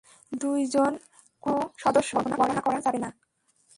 দুইজন ক্রু সদস্য গণনা করা যাবে না।